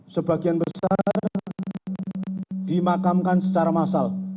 sebagian besar dimakamkan secara massal